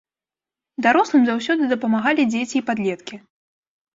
Дарослым заўсёды дапамагалі дзеці і падлеткі.